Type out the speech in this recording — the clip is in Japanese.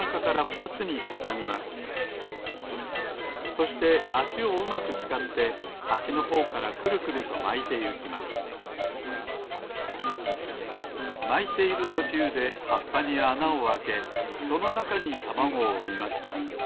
そしてあしをうまくつかってはしのほうからくるくるとまいていきますまいているとちゅうではっぱにあなをあけそのなかにたまごをうみました。